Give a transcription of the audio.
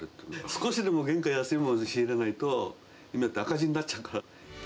少しでも原価安いものを仕入れないと、赤字になっちゃうから。